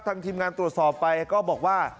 ทีมงานตรวจสอบไปก็บอกว่า